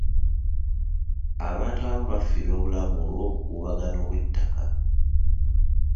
Abantu abamu bafiirwa obulamu olw'obukuubagano bw'ettaka.